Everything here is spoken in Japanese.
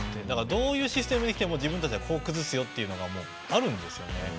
どういうシステムにしても自分たちはこう崩すよというのがあるんですよね。